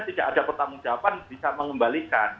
tidak ada pertanggung jawaban bisa mengembalikan